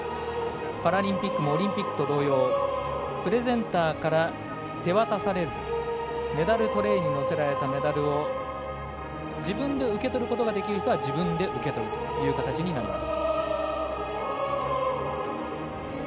パラリンピックもオリンピックと同様プレゼンターから手渡されずメダルトレーに載せられたメダルを自分で受け取ることができる人は自分で受け取る形になります。